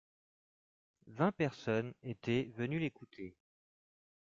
Vingt personnes étaient venues l’écouter.